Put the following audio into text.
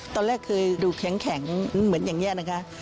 ตอนแรกเคยดูแข็งเหมือนอย่างนี้นะคะ